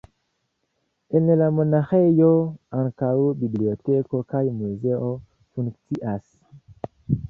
En la monaĥejo ankaŭ biblioteko kaj muzeo funkcias.